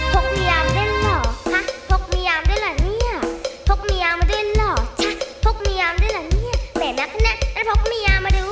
พกเมียมาด้วยเหรอพกเมียมาด้วยเหรอเนี่ย